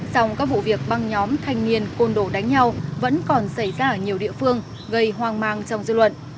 sòng các vụ việc băng nhóm thanh niên côn đổ đánh nhau vẫn còn xảy ra ở nhiều địa phương gây hoang mang trong dư luận